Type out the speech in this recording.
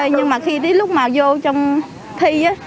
nhưng mà khi đến lúc mà vô trong thi á